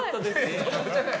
そこじゃない。